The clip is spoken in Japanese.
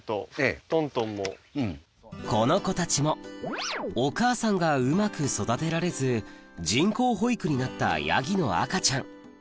この子たちもお母さんがうまく育てられず人工ほ育になったヤギの赤ちゃん